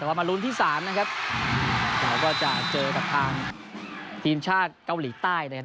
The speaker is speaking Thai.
แต่ว่ามาลุ้นที่สามนะครับเราก็จะเจอกับทางทีมชาติเกาหลีใต้นะครับ